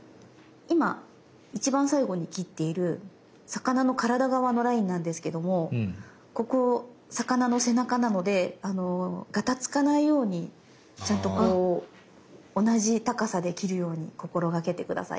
今一番最後に切っている魚の体側のラインなんですけどもここ魚の背中なのでがたつかないようにちゃんとこう同じ高さで切るように心掛けて下さい。